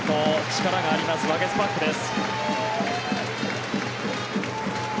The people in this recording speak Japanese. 力がありますワゲスパックです。